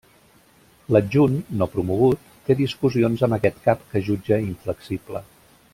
L'adjunt, no promogut, té discussions amb aquest cap que jutja inflexible.